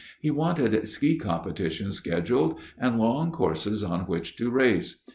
He wanted ski competition scheduled, and long courses on which to race.